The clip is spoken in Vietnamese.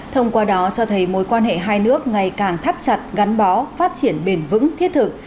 thông qua đó cho thấy mối quan hệ hai nước ngày càng thắt chặt gắn bó phát triển bền vững thiết thực